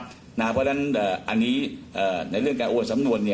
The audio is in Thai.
เพราะฉะนั้นอันนี้ในเรื่องการโอนสำนวน